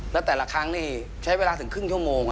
แล้วแต่ละครั้งนี่ใช้เวลาถึงครึ่งชั่วโมง